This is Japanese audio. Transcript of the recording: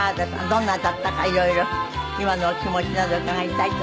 どんなだったかいろいろ今のお気持ちなど伺いたいと思っております。